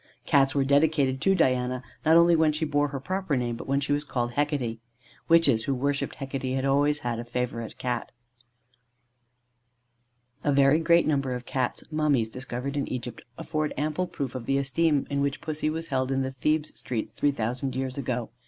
Cats were dedicated to Diana, not only when she bore her proper name, but when she was called "Hecate." Witches who worshipped Hecate had always a favourite Cat. A very great number of Cats' mummies, discovered in Egypt, afford ample proof of the esteem in which Pussy was held in "Thebes' Streets Three Thousand Years Ago."